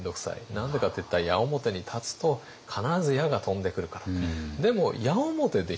何でかっていったら矢面に立つと必ず矢が飛んでくるから。